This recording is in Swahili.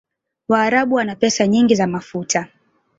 waarabu wana pesa nyingi za mafuta